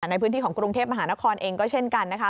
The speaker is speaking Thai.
ในพื้นที่ของกรุงเทพมหานครเองก็เช่นกันนะคะ